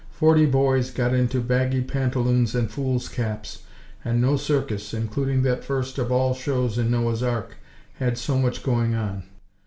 Forty boys got into baggy pantaloons and fools' caps; and no circus, including that first of all shows in Noah's Ark, had so much going on.